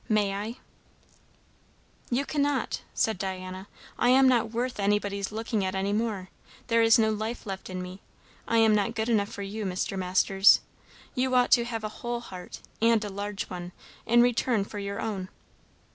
May I?" "You cannot," said Diana. "I am not worth anybody's looking at any more. There is no life left in me. I am not good enough for you, Mr. Masters. You ought to have a whole heart and a large one in return for your own."